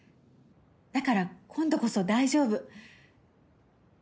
だから今度こそ大丈夫。